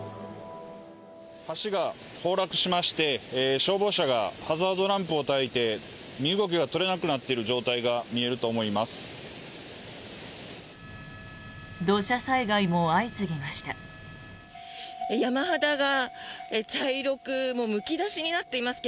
橋が崩落しまして消防車がハザードランプをたいて身動きが取れなくなっている状態が見えると思います。